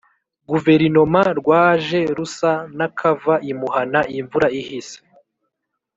guverinoma rwaje rusa n'akava imuhana imvura ihise.